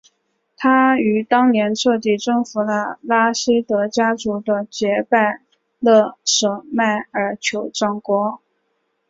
他于当年彻底征服了拉希德家族的杰拜勒舍迈尔酋长国。